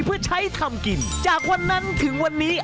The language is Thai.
เพื่อใช้ทำกินจากวันนั้นถึงวันนี้